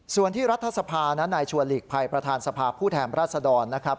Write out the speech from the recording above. ส่วนที่รัฐสภานายชัวร์หลีกภัยประธานสภาพผู้แทนราชดรนะครับ